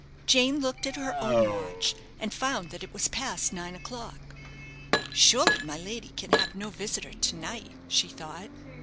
Jane looked at her own watch, and found that it was past nine o'clock. "Surely my lady can have no visitor to night?" she thought.